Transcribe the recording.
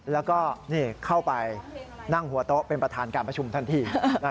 แล้วก็เข้าไปนั่งหัวโต๊ะเป็นประธานการประชุมทันที